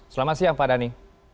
selamat siang pak dhani